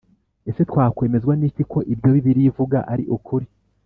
Ese twakwemezwa n’iki ko ibyo Bibiliya ivuga ari ukuri?